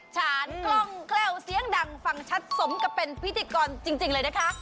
ฉานกล้องแคล่วเสียงดังฟังชัดสมกับเป็นพิธีกรจริงเลยนะคะ